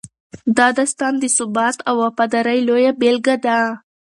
دا داستان د ثبات او وفادارۍ لویه بېلګه ده.